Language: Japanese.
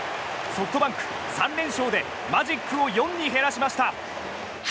ソフトバンク、３連勝でマジックを４に減らしました。